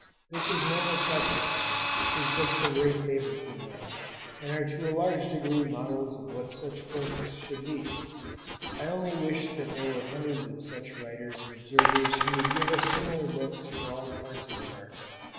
This is no reflection on him; his books are great favorites of mine, and are to a large degree models of what such books should be; I only wish that there were hundreds of such writers and observers who would give us similar books for all parts of America.